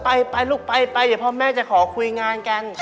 ไปไปลูกไปพ่อแม่จะขอคุยงานกัน